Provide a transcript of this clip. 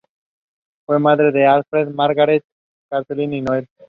Fue madre de Alfred, Margaret, Katharine y Noel.